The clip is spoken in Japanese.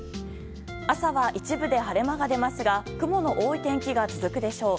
朝は一部で晴れ間が出ますが雲の多い天気が続くでしょう。